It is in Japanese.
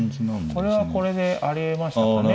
これはこれでありえましたかね。